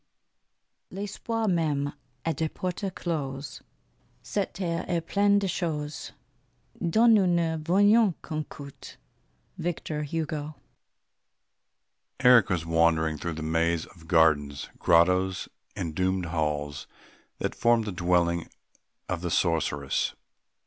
Eric was wandering through the maze of gardens, grottos, and domed halls that formed the dwelling of the sorceress.